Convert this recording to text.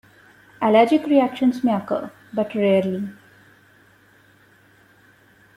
Allergic reactions may occur, but rarely.